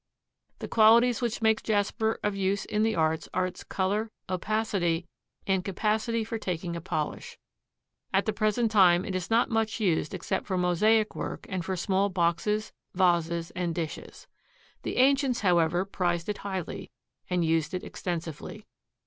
The qualities which make jasper of use in the arts are its color, opacity and capacity for taking a polish. At the present time it is not much used except for mosaic work and for small boxes, vases and dishes. The ancients, however, prized it highly and used it extensively.